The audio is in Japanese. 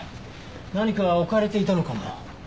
何か置かれていたのかも。